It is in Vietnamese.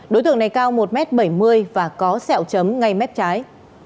đối tượng này cao một m bảy mươi và có sẹo chấm ngay mép trái